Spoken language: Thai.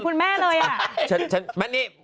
คุณแม่เล่าเหมือนเป็นคุณแม่เลย